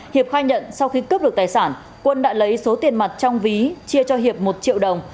hiệp khai nhận sau khi cướp được tài sản quân đã lấy số tiền mặt trong ví chia cho hiệp một triệu đồng